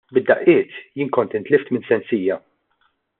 Bid-daqqiet, jien kont intlift minn sensija.